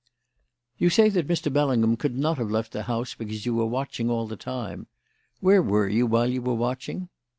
"You say that Mr. Bellingham could not have left the house because you were watching all the time. Where were you while you were watching?"